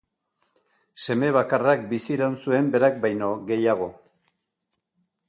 Seme bakarrak biziraun zuen berak baino gehiago.